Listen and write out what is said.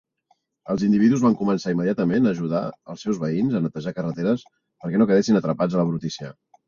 Els individus van començar immediatament a ajudar els seus veïns a netejar carreteres, perquè no quedessin atrapats a la brutícia.